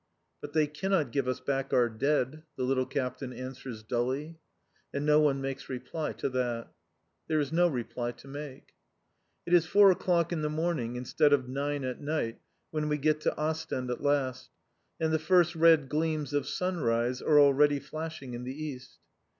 "But they cannot give us back our dead," the little captain answers dully. And no one makes reply to that. There is no reply to make. It is four o'clock in the morning, instead of nine at night, when we get to Ostend at last, and the first red gleams of sunrise are already flashing in the east.